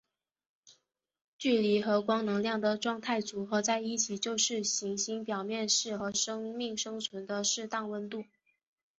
距离和光能量的状态组合在一起就是行星表面适合生命生存的适当温度。